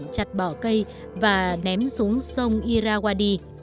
nhà vua đã ra lệnh chặt bỏ cây và ném xuống sông irrawaddy